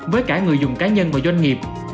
với cả người dùng cá nhân và doanh nghiệp